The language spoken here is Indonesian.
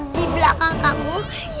di belakang kamu